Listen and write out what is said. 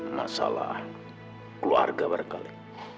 masalah keluarga berkali